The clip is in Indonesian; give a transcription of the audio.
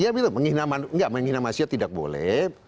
iya betul menghina enggak menghina manusia tidak boleh